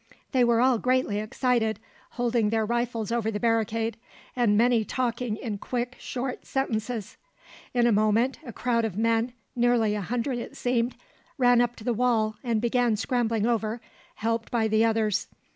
They were all greatly excited, holding their rifles over the barricade, and many talking in quick short sentences. In a moment a crowd of men, nearly a hundred it seemed, ran up to the wall and began scrambling over, helped by the others.